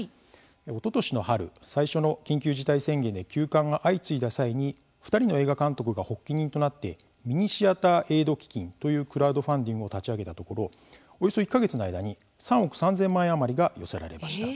おととしの春最初の緊急事態宣言で休館が相次いだ際に２人の映画監督が発起人となって「ミニシアター・エイド基金」というクラウドファンディングを立ち上げたところおよそ１か月の間に３億３０００万円余りが寄せられました。